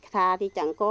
thà thì chẳng có